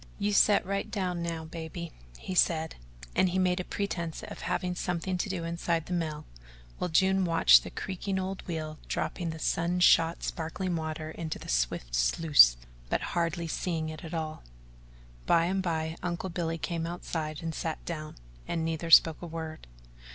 "You set right down now, baby," he said, and he made a pretence of having something to do inside the mill, while June watched the creaking old wheel dropping the sun shot sparkling water into the swift sluice, but hardly seeing it at all. By and by Uncle Billy came outside and sat down and neither spoke a word.